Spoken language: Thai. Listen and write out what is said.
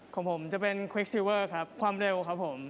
ของผมจะเป็นควิกซีเวอร์ครับความเร็วครับผม